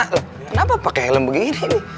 kenapa pakai helm begini nih